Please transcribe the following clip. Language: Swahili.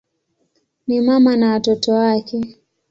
Ni mama na watoto wake.